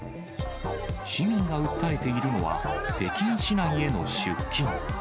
市民が訴えているのは、北京市内への出勤。